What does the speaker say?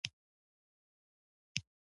د چارباغ پر لار مو یون سو